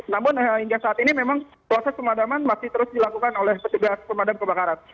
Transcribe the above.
namun hingga saat ini memang proses pemadaman masih terus dilakukan oleh petugas pemadam kebakaran